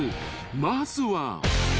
まずは］